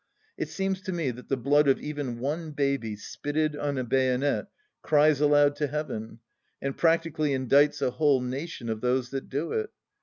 It seems to me that the blood of even one dead baby spitted on a bayonet cries aloud to Heaven, and practically indicts a whole nation of those that do it.